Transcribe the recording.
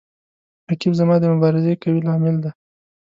رقیب زما د مبارزې قوي لامل دی